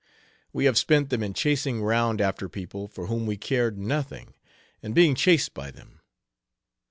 We have spent them in chasing round after people for whom we cared nothing, and being chased by them.